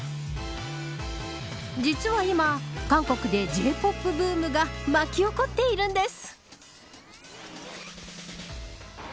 実は今、韓国でＪ‐ＰＯＰブームが巻き起こっているんです。